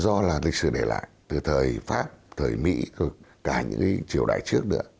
do là lịch sử để lại từ thời pháp thời mỹ cả những cái triều đại trước nữa